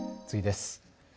次です。